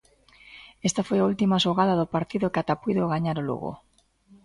Esta foi a última xogada do partido que ata puido gañar o Lugo.